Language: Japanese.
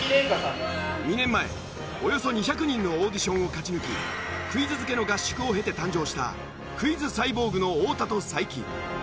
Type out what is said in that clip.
２年前およそ２００人のオーディションを勝ち抜きクイズ漬けの合宿を経て誕生したクイズサイボーグの太田と才木。